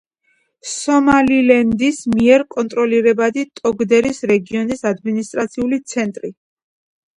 სომალილენდის მიერ კონტროლირებადი ტოგდერის რეგიონის ადმინისტრაციული ცენტრი.